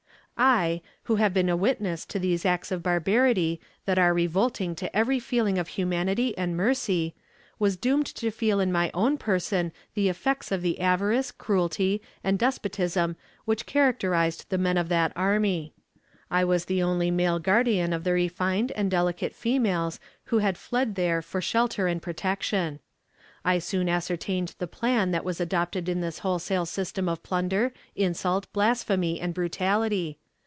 "I, who have been a witness to these acts of barbarity that are revolting to every feeling of humanity and mercy, was doomed to feel in my own person the effects of the avarice, cruelty, and despotism which characterized the men of that army. I was the only male guardian of the refined and delicate females who had fled there for shelter and protection. I soon ascertained the plan that was adopted in this wholesale system of plunder, insult, blasphemy, and brutality.